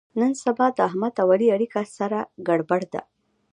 نن سبا د احمد او علي اړیکه سره ګړبړ ده.